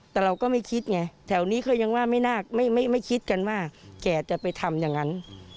แต่เราก็ไม่คิดไงแถวนี้เขายังว่าไม่น่าไม่คิดกันว่าแกจะไปทำอย่างนั้น